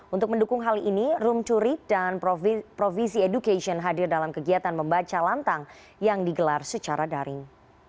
untuk mendukung hal ini room to read dan provisi education hadir dalam kegiatan membaca lantang yang digelar secara daring